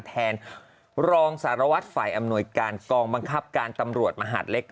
แทนรองสารวัตรฝ่ายอำนวยการกองบังคับการตำรวจมหาดเล็ก